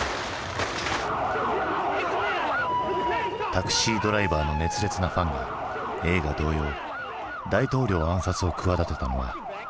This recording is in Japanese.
「タクシードライバー」の熱烈なファンが映画同様大統領暗殺を企てたのはもう少し先の話だ。